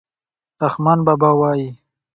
رحمان بابا وايي.